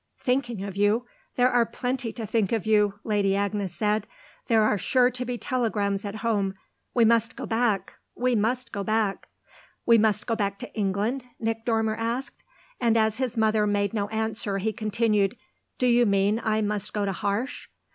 "Thinking of you? There are plenty to think of you!" Lady Agnes said. "There are sure to be telegrams at home. We must go back we must go back!" "We must go back to England?" Nick Dormer asked; and as his mother made no answer he continued: "Do you mean I must go to Harsh?"